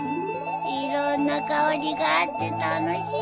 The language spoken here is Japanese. いろんな香りがあって楽しいね。